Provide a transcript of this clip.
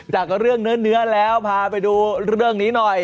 จากเรื่องเนื้อแล้วพาไปดูเรื่องนี้หน่อย